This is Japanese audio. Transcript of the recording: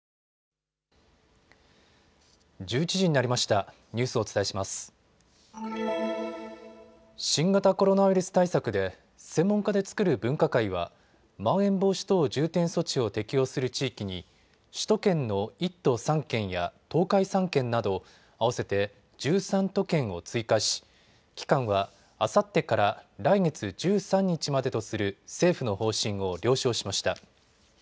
新型コロナウイルス対策で専門家で作る分科会はまん延防止等重点措置を適用する地域に首都圏の１都３県や東海３県など合わせて１３都県を追加し期間はあさってから来月１３日までとする政府の方針を了承しました。